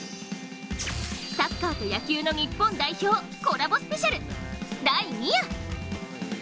サッカーと野球の日本代表コラボスペシャル第２夜。